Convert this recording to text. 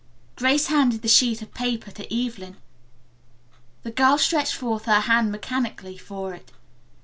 Grace handed the sheet of paper to Evelyn. The girl stretched forth her hand mechanically for it.